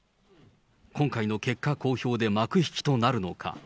今回の結果公表で幕引きとなるのか。